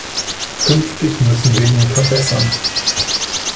Künftig müssen wir ihn verbessern.